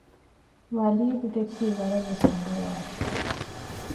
ވަލީދު ދެއްކީ ވަރަށް ވެސް ރަނގަޅު ވާހަކައެއް